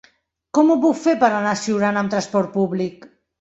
Com ho puc fer per anar a Siurana amb trasport públic?